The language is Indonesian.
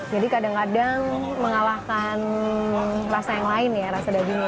jadi kadang kadang mengalahkan rasa yang lain ya rasa dagingnya